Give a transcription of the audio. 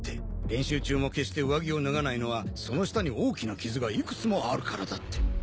練習中も決して上着を脱がないのはその下に大きな傷がいくつもあるからだって。